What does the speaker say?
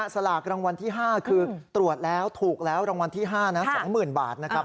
สลากรางวัลที่๕คือตรวจแล้วถูกแล้วรางวัลที่๕นะ๒๐๐๐บาทนะครับ